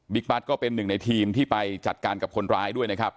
บัตรก็เป็นหนึ่งในทีมที่ไปจัดการกับคนร้ายด้วยนะครับ